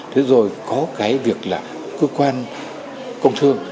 thế rồi có cái việc là cơ quan công thương